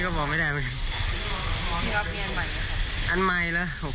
วันนี้ก็บอกไม่ได้แมค